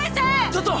ちょっと！